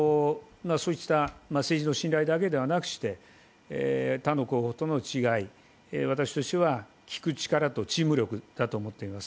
政治の信頼だけではなくして、他との候補との違い、私としては聞く力だとチーム力だと思っています。